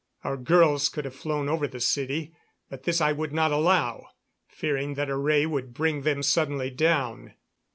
Our girls could have flown over the city; but this I would not allow, fearing that a ray would bring them suddenly down.